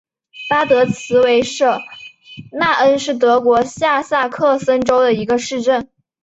巴德茨维舍纳恩是德国下萨克森州的一个市镇。